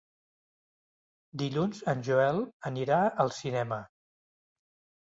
Dilluns en Joel anirà al cinema.